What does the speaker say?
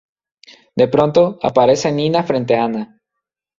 De pronto, aparece Nina frente a Anna.